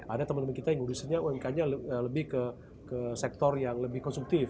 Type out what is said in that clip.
ada teman teman kita yang urusannya umkm nya lebih ke sektor yang lebih konsumtif